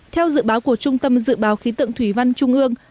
theo dự báo của trung tâm dự báo khí tượng thủy văn trung ương